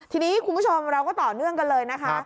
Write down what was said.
ทีนี้คุณผู้ชมเราก็ต่อเนื่องกันเลยนะคะ